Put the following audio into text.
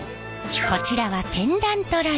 こちらはペンダントライト。